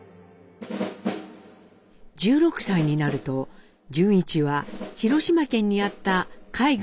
１６歳になると潤一は広島県にあった海軍兵学校に入学します。